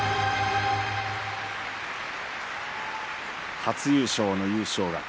初優勝の優勝額。